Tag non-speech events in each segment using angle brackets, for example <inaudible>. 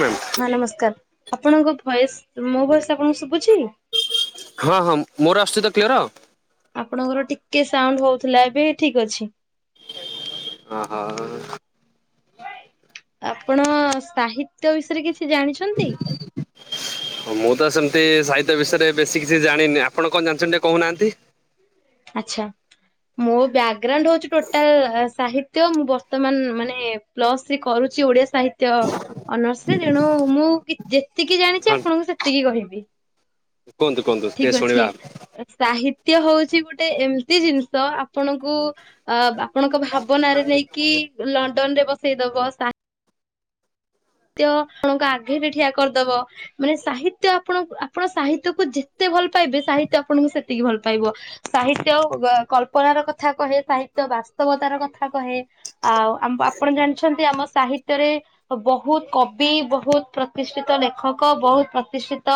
Ma'am ହଁ ନମସ୍କାର, ଆପଣଙ୍କ ଭୟେସ ମୋ ଭୟେସ ଆପଣଙ୍କୁ ଶୁଭୁଛି? ହଁ ହଁ ମୋର ଆସୁଚ଼ି ତ କ୍ଲିୟର? ଆପଣଙ୍କର ଟିକେ ସାଉଣ୍ଡ ହଉଥିଲା, ଏବେ ଠିକ୍ ଅଛି। <unintelligible> ଅହ। ଆପଣ ସାହିତ୍ୟ ବିଷୟରେ କିଛି ଜାଣିଛନ୍ତି? ମୁଁ ତ ସେମତି ସାହିତ୍ୟ ବିଷୟରେ ବେଶୀ କିଛି ଜାଣିନି ଆପଣ କଁ ଜାଣିଛନ୍ତି ଟିକେ କହୁନାହାନ୍ତି? ଆଚ୍ଛା। ମୋ ବ୍ୟାଗ୍ରାଉଣ୍ଡ ହଉଚ଼ି ଟୋଟାଲ ଆ ସାହିତ୍ୟ, ମୁଁ ବର୍ତ୍ତମାନ ମାନେ ପ୍ଲସ ଥ୍ରି କରୁ ଚ଼ି ଓଡିଆ ସାହିତ୍ୟ ଅନର୍ସ ରେ, ତେଣୁ ମୁଁ କି ଯେତିକି ଜାଣିଛି ହଁ ଆପଣଙ୍କୁ ସେତିକି କହିବି। କୁହନ୍ତୁ କୁହନ୍ତୁ ଟିକେ ଠିକ୍ ଅଛି ଶୁଣିବା ସାହି ତ୍ୟ ହଉଚ଼ି ଗୋଟେ ଏମିତି ଜିନିଷ, ଆପଣଙ୍କୁ ଆ ବା ଆପଣଙ୍କ ଭାବନାରେ ନେଇକି ଲଣ୍ଡନ ରେ ବସେଇଦବ। ସା ତ୍ୟ ଆପଣଙ୍କ ଆଗେ ରେ ଠିଆ କରିଦବ, ମାନେ ସାହିତ୍ୟ ଆପଣ ଙ୍କୁ ଆପଣ ସାହିତ୍ୟକୁ ଯେତେ ଭଲ ପାଇବେ, ସାହିତ୍ୟ ଆପଣଙ୍କୁ ସେତିକି ଭଲ ପାଇବ। ସାହିତ୍ୟ କଳ୍ପନାର କଥା କହେ, ସାହିତ୍ୟ ବାସ୍ତବତାର କଥା କହେ ଆଉ ଆମ୍ ଆପଣ ଜାଣିଛନ୍ତି ଆମ ସାହିତ୍ୟରେ ବ ବହୁତ କବି, ବହୁତ ପ୍ରତିଷ୍ଠିତ ଲେଖକ, ବହୁତ ପ୍ରତିଷ୍ଠିତ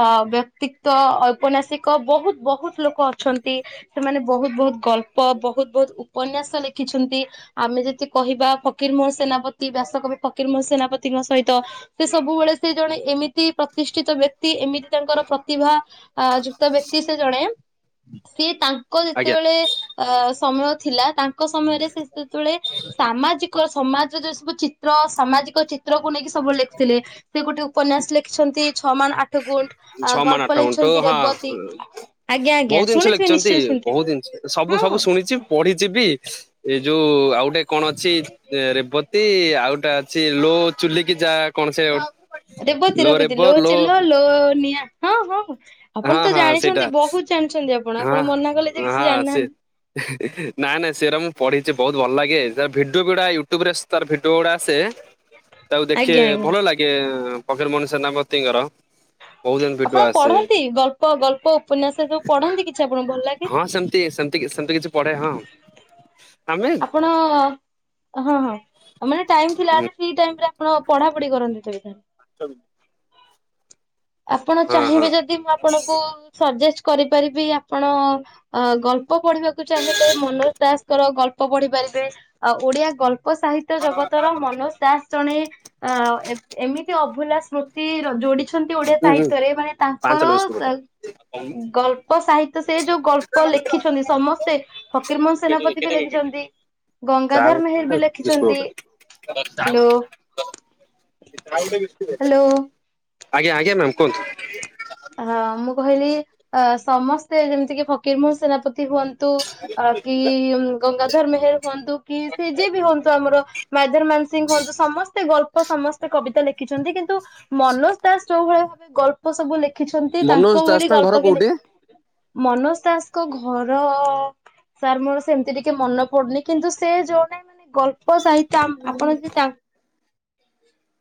ଅ ବ୍ୟକ୍ତିତ୍ଵ ଔପନ୍ୟାସିକ, ବହୁତ ବହୁତ ଲୋକ ଅଛନ୍ତି, ସେମାନେ ବହୁତ ବହୁତ ଗଳ୍ପ, ବହୁତ ବହୁତ ଉପନ୍ୟାସ ଲେଖିଛନ୍ତି, ଆମେ ଯଦି କହିବା ଫକୀର ମୋହ ସେନାପତି, ବ୍ୟାସକବି ଫକୀର ମୋହ ସେନା ପତିଙ୍କ ସହିତ, ସେ ସବୁବେଳେ ସେ ଜଣେ ଏମିତି ପ୍ରତିଷ୍ଠିତ ବ୍ୟକ୍ତି, ଏମିତି ତାଙ୍କର ପ୍ରତିଭା ଆ ଯୁକ୍ତ ବ୍ୟକ୍ତି ସେ ଜଣେ ସିଏ ତାଙ୍କ ଆଜ୍ଞା ଯେତେବେଳେ ଆ ସମୟ ଥିଲା ତାଙ୍କ ସମୟରେ ସେ ସେତେବେଳେ ସାମାଜିକ ସମାଜ ଯଉ ସବୁ ଚିତ୍ର ସାମାଜିକ ଚି ତ୍ରକୁ ନେଇକି ସବୁବେଳେ ଲେଖିଥିଲେ। ସେ ଗୋଟେ ଉପନ୍ୟାସ୍ ଲେଖିଛନ୍ତି ଛଅ ମାଣ୍ ଆଠ ଗୁଣ୍ଠ୍। ଛଅ ମାଣ ଆଠ ଗୁଣ୍ଠ୍ ହଁ। ଆଜ୍ଞା ଆଜ୍ଞା ବହୁତ ଜିନିଷ ଶୁଣିଥିବେ ଲେଖିଛନ୍ତି ନିଶ୍ଚୟ ଶୁଣିଥିବେ ବହୁତ ଜିନିଷ ସବୁ ସବୁ ହଁ। ଶୁଣିଛି ପଢିଛି ବି। ଏଇ ଯୋଉ ଆଉ ଅଟେ କଣ ଅଛି, ଏ ରେବତୀ ଆଉ ଗୋଟେ ଅଛି ଲୋ ଚୁଲିକି ଯା। କଣ ସେ ଲୋ ରେବତୀରବି ରେବ ଦିଲୋ ଚିଲ ଲୋ ନିଆଁ ହଁ ହଁ। ହଁ ଆପଣ ତ ହଁ ସେଇଟା ଜାଣିଛନ୍ତି ବହୁତ ଜାଣିଛନ୍ତି ଆପ୍ ହଁ <unintelligible> ସେ ନାନା ସେରମ୍ ପଢିଚି ବହୁତ୍ ଭଲ ଲାଗେ ତା ଭିଡିଓ ପୁଡ଼ା ୟୁଟୁବରେ ସି ତାର୍ ଭି ଡୋଡ଼ା ଆସେ ତାକୁ ଦେଖେ ଆଜ୍ଞା ଆଜ୍ଞା ଭଲ ଲାଗେ। ଫକିର୍ ମୋହନ ସେନାପତିଙ୍କର। ବହୁତ ଜଣ ଭିଡିଓ ଆପଣ ଆସେ। ପଢ଼ନ୍ତି ଗଳ୍ପ ଗଳ୍ପ ଉପନ୍ୟାସ ସବୁ ପଢନ୍ତି କି? ହଁ ସେମତି ସେମତି କିଛି ସେମତି କିଛି ପଢେ ହଁ। ଆମେ ଆପଣ ହଁ ହଁ ମାନେ ଟାଇମ ଥିଲା ହୁଁ, ଫ୍ରୀ ଟାଇମ ଆପଣ ପଢାପଢି କରନ୍ତି ତବେ ତେବେ ତାହା। <unintelligible> ଆପଣ ହଁ ହଁ ଚାହିଁବେ ଯଦି ମୁଁ ଆପଣଙ୍କୁ ସଜେଷ୍ଟ କରିପାରିବି ଆପଣ ଉ ଗଳ୍ପ ପଢିବାକୁ ଚାହିଁଲେ, ମନୋଜ ଦାସଙ୍କର ଗଳ୍ପ ପଢି ପାରିବେ। ଆଉ ଓଡିଆ ଗଳ୍ପ ଲୋକ ସାହିତ୍ୟ ଜଗତର ମନୋଜ ଦାସ ଜଣେ ଅ ଏ-ଏମିତି ଅଭୁଲା ସ ସ୍ମୃତି, ଯୋଡିଛନ୍ତି ଓଡିଆ ହୁଁ ହୁଁ ସାହିତ୍ୟରେ, ମାନେ ପାଞ୍ଚଲ ତାଙ୍କର ବିସ୍କୁଟ ଗୋଟେ ଗଳ୍ପ ସାହିତ୍ୟ ସେ ଯୋଉ ଗଳ୍ପ ଲେଖିଛନ୍ତି ସମସ୍ତ ସେ ଫକୀର ମୋହନ ସେନାପତି ବି ଲେଖିଛନ୍ତି। ଚା ଗଙ୍ଗାଧର ମେହେର ବି ଗୋଟେ ବିସ୍କୁଟ ଲେଖିଛନ୍ତି ଗୋଟେ ହାଲୋ। ଆଜ୍ଞା ଆଜ୍ଞା ମ୍ୟାାମ କୁହନ୍ତୁ। ହଁ ମୁଁ କହିଲି ଅ ସମସ୍ତେ ଯେମିତି କି ଫକୀରମୋହନ ସେନାପତି ହୁଅନ୍ତୁ ଅ କି ଗଙ୍ଗା ଧର ମେହେର ହୁଅନ୍ତୁ କି ସେ ଯିଏ ବି ହୁଅନ୍ତୁ, ଆମର ମାୟାଧର ମାନ ସିଂହ ହୁଅନ୍ତୁ ସମସ୍ତେ ଗଳ୍ପ ସମସ୍ତେ କବିତା ଲେଖିଛନ୍ତି। କିନ୍ତୁ ମନୋଜ ଦାସ ଯଉଭଳିଆ ଗଳ୍ପ ସବୁ ଲେଖିଛନ୍ତି। ମନୋଜ ତାଙ୍କ ଦାସ ଭଳି ଘର ଗଳ୍ପ କି କୋଉଠି? ଲେଖି ମନୋଜ ଦାସଙ୍କ ଘର ସାର୍, ମୋର ସେମିତି ଟିକେ ମନେ ପଡୁନି। କିନ୍ତୁ ସେ ଜଣେ ମାନେ ଗ ଆପ ସାହିତ୍ୟ ଆ-ଆପଣ ଯଦି ତା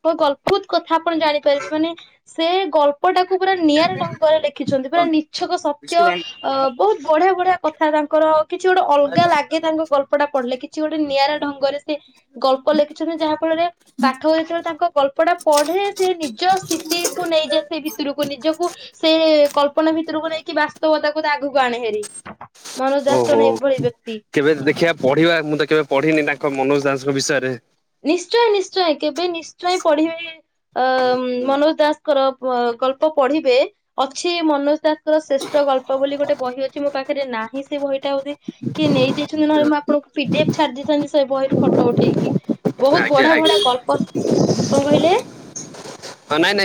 <unintelligible> କଥା ଆପଣ ଜାଣିପାରିବେ ମାନେ ସେ ଗଳ୍ପ ଗପଟାକୁ ପୁରା ନିଆରା ଢଙ୍ଗରେ ଲେଖିଛନ୍ତି। ପୁରା ନିଛକ ସତ୍ୟ ଅ ବହୁତ ବଢିଆ ବଢିଆ କଥା ତାଙ୍କର। କିଛି ଗୋଟେ ଅଲଗା ଲାଗେ, ତାଙ୍କ ଗଳ୍ପଟା ପଢିଲେ। କିଛି ଗୋଟେ ନିଆରା ଢଙ୍ଗରେ ସେ ଗଳ୍ପ ଲେଖିଛନ୍ତି ଯାହାଫଳରେ ରେ ପାଠ ହୋଇଥିଲ। ତାଙ୍କ ଗଳ୍ପ ଟା ପଢେ। ସେ ନିଜ ସ୍ଥିତିକୁ ନେଇଯାଏ। ସେ ଭିତରକୁ ନିଜକୁ ସେ କଳ୍ପନା, ଭିତରକୁ ନେଇକି ବାସ୍ତବତା କୁ ତା ଆଗକୁ ଆଣେ ହେରି। ମନୋଜ ଦାସ ଓହୋ ଜଣେ ଏଭଳି ବ୍ୟକ୍ତି। କେବେ ଦେଖିବା ପଢିବା। ମୁଁ ତ କେବେ ପଢିନି ତାଙ୍କ ମନୋଜ ଦାସଙ୍କ ବିଷୟରେ। ନିଶ୍ଚୟ, ନିଶ୍ଚୟ। କେବେ ନିଶ୍ଚୟ ପଢିବେ ଅ ମନୋଜ ଦାସଙ୍କର। ଗଳ୍ପ ପଢିବେ ଅଛି ମନୋଜ ଦାସଙ୍କର ଶ୍ରେଷ୍ଠ ଗଳ୍ପ ବୋଲି ଗୋଟେ ବହି ଅଛି ମୋ ପାଖରେ ପାଖରେ ନାହିଁ ସେ ବହିଟା ବୋଧେ କିଏ ନେଇଯାଇଛନ୍ତି ନହେଲେ ମୁଁ ଆପଣଙ୍କୁ ପି ଡି ଛାଡିଦେଇଥାନ୍ତି। ସେ ବହିରୁ ଫଟୋ ଉଠେଇକି। ବହୁତ ଆଜ୍ଞା ବଢିଆ, ଆଜ୍ଞା। ବଢିଆ ଗଳ୍ପ କଣ କହିଲେ?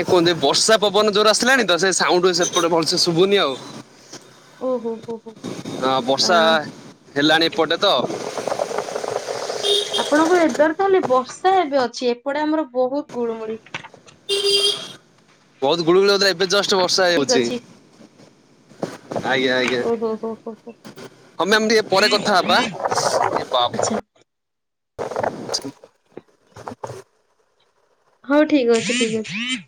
କୁହନ୍ତି। ବର୍ଷା ପବନ ଯୋରରେ ଆସିଲାଣି ତ ସେ ସାଉଣ୍ଡ ସେପଟେ ଭଲସ ଶୁଭୁନି ଆଉ। ଓହୋ ହୋ ହୋ। ହଁ ଅ ବର୍ଷା ହେଲାଣି ଏପଟେ ତ। ଆପଣଙ୍କ ୱେଦର ତାହେଲେ ବର୍ଷା ଏବେ ଅଛି ଏପଟେ ଆମର ବହୁତ ଗୁଳୁଗୁଳି। ବହୁତ ଗୁଳିୁଗୁଳି ହଉଥିଲା। ଏବେ ଜଷ୍ଟ ବର୍ଷା ଠିକ ହେଉଛି। ଅଛି। ଆଜ୍ଞା ଆଜ୍ଞା ଓହୋ ହୋ ହୋ। ହଁ ମ୍ୟମ୍ ଟିକେ ପରେ କଥା ହେବା ଏ ବାପ ଆଚ୍ଛା <inaudible> ହଉ ଠିକ୍ ଅଛି। ଠିକ୍ ଅ